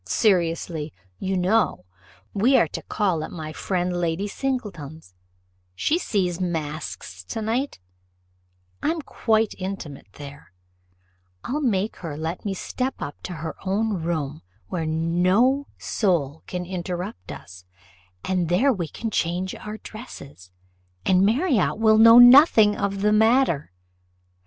Seriously, you know, we are to call at my friend Lady Singleton's she sees masks to night: I'm quite intimate there; I'll make her let me step up to her own room, where no soul can interrupt us, and there we can change our dresses, and Marriott will know nothing of the matter.